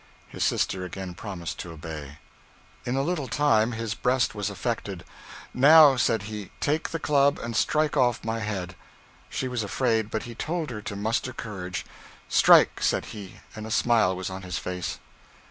His sister again promised to obey. In a little time his breast was affected. 'Now,' said he, 'take the club and strike off my head.' She was afraid, but he told her to muster courage. 'Strike,' said he, and a smile was on his face.